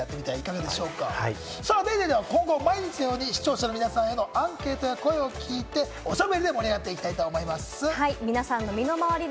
『ＤａｙＤａｙ．』では今後、毎日のように視聴者の皆さんへのアンケートや声を聞いて、おしゃべりで盛り上がっていきたいと思います！